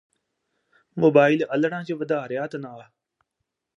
mobile ਅੱਲ੍ਹੜਾਂ ਚ ਵਧਾ ਰਿਹੈ ਤਣਾਅ